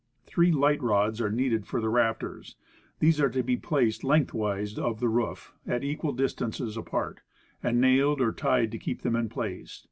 Three light rods are needed for rafters. These are to be placed lengthwise of the roof at equal distances apart, and nailed or tied to keep them in place.